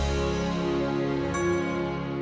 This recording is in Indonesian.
sampai jumpa lagi